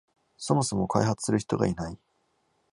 そもそも開発する人がいない